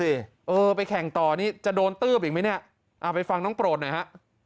เออไปแข่งต่อนี่จะโดนตืบอีกไหมเนี่ยไปฟังน้องโปรดหน่อยฮะ